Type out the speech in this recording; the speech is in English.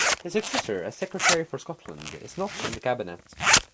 His successor as Secretary for Scotland is not in the Cabinet.